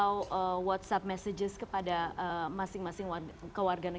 untuk menjaga itu